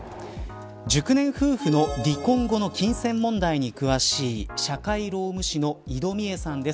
熟年夫婦の離婚後の金銭問題に詳しい社会労務士の井戸美枝さんです。